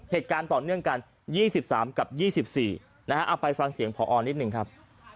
เหตุการณ์ต่อเนื่องกัน๒๓กับ๒๔นะฮะเอาไปฟังเสียงพอนิดหนึ่งครับ